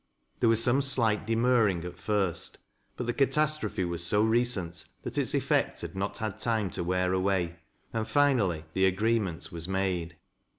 There was some slight demurring at first, but the catastrophe was so recent that its effect had not had time to wear away, and finally the agreement was made.